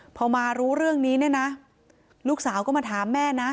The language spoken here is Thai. พอมารู้เรื่องนี้เนี่ยนะลูกสาวก็มาถามแม่นะ